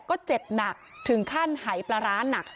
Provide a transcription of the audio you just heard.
ก็เจ็บหนักถึงขั้นหายปลาร้าหนัก